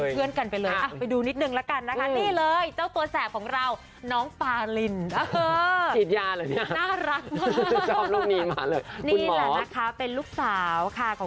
แต่ถ้าเกิดก็เลยอยากไปดูนิดนึงละกัน